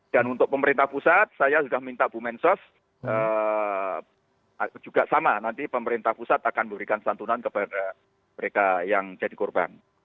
dan untuk pemerintah pusat saya sudah minta bu mensos juga sama nanti pemerintah pusat akan memberikan santunan kepada mereka yang jadi korban